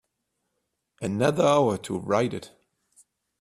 Another hour to write it.